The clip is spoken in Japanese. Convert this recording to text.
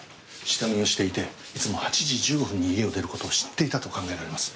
下見をしていていつも８時１５分に家を出る事を知っていたと考えられます。